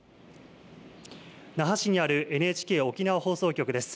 那覇市にあるＮＨＫ沖縄放送局です。